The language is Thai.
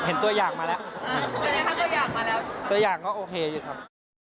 เห็นตัวอย่างมาแล้วตัวอย่างก็โอเคอยู่ครับ